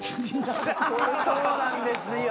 そうなんですよ。